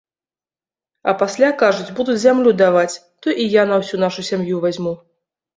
А пасля, кажуць, будуць зямлю даваць, то і я на ўсю нашу сям'ю вазьму.